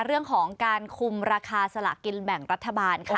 เรื่องของการคุมราคาสละกินแบ่งรัฐบาลค่ะ